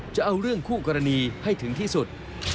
จะเอาเรื่องคู่กรณีให้ถึงที่สุด